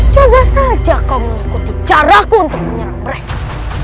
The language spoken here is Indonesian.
coba saja kau mengikuti caraku untuk menyerang mereka